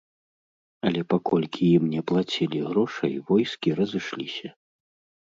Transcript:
Але паколькі ім не плацілі грошай войскі разышліся.